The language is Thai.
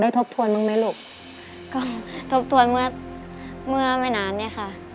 ทบทวนเมื่อไม่นานเนี่ยค่ะ